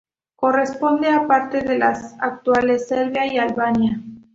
Corresponde a parte de las actuales Serbia y Albania.